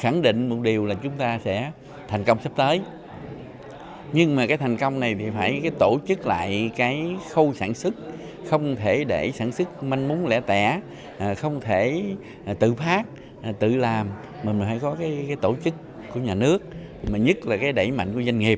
nói chung là tổ chức của nhà nước nhất là đẩy mạnh của doanh nghiệp